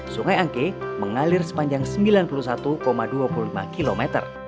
sungai angke mengalir sepanjang sembilan puluh satu dua puluh lima km